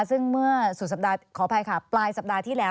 ซึ่งเมื่อสุดสัปดาห์ขออภัยค่ะปลายสัปดาห์ที่แล้ว